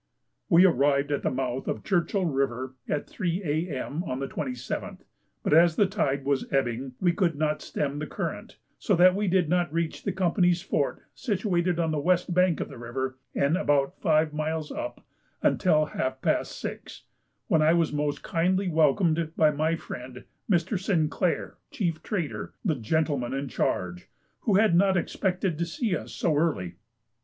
We arrived at the mouth of Churchill River at 3 A.M. on the 27th, but as the tide was ebbing we could not stem the current, so that we did not reach the Company's Fort, situated on the west bank of the river and about five miles up, until half past six, when I was most kindly welcomed by my friend Mr. Sinclair, chief trader, the gentleman in charge, who had not expected to see us so early.